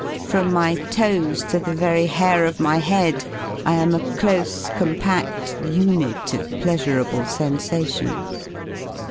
From my toes to the very hair of my head I am a close compaft unit of pleasurable sensa tions.